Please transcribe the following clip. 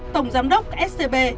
tổng giám đốc scb